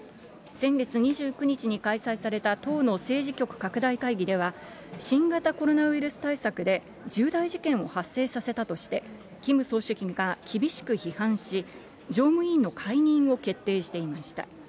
先月２２日に開催された党の政治局拡大会議では、新型コロナウイルス対策で、重大事件を発生させたとして、キム総書記が厳しく批判し、常務委員の解任を決定していました。